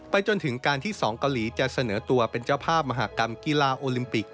จนถึงการที่๒เกาหลีจะเสนอตัวเป็นเจ้าภาพมหากรรมกีฬาโอลิมปิก